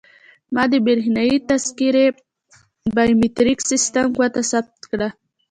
ما د بریښنایي تذکیرې بایومتریک سیستم ګوته ثبت کړه.